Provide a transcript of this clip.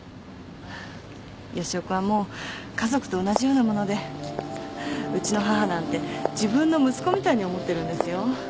義男君はもう家族と同じようなものでうちの母なんて自分の息子みたいに思ってるんですよ。